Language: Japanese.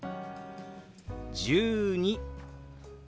「１２」。